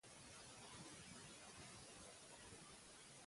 Quina comenta referent als drets?